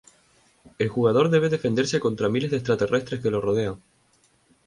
El jugador debe defenderse contra miles de extraterrestres que lo rodean.